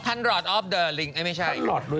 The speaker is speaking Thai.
ท่านหลอดอ๊อฟเดอริงไม่ใช่